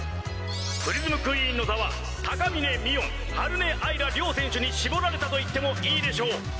プリズムクイーンの座は高峰みおん絞られたといってもいいでしょう。